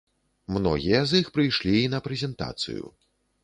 Многія з іх прыйшлі і на прэзентацыю.